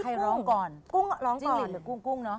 ใครร้องก่อนกุ้งร้องก่อนจิ้งฤทธิ์หรือกุ้งกุ้งเนอะ